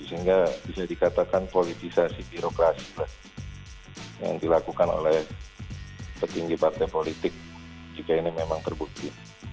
sehingga bisa dikatakan politisasi birokrasi lah yang dilakukan oleh petinggi partai politik jika ini memang terbukti